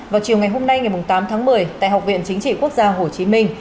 vào chiều ngày hôm nay ngày tám tháng một mươi tại học viện chính trị quốc gia hồ chí minh